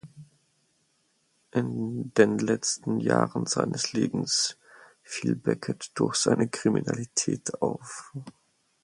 In den letzten Jahren seines Lebens fiel Beckett durch seine Kriminalität auf.